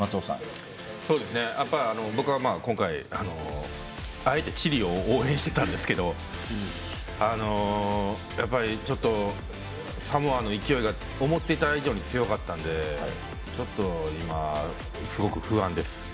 やっぱ、僕は今回あえてチリを応援してたんですけどやっぱり、ちょっとサモアの勢いが思っていた以上に強かったのでちょっと今、すごく不安です。